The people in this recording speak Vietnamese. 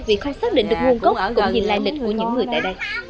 vì không xác định được nguồn gốc cũng vì lai lịch của những người tại đây